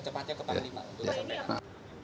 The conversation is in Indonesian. cepat cepatnya ke panglima